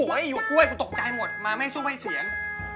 อยู่กับกล้วยกูตกใจหมดมาไม่สู้ให้เสียง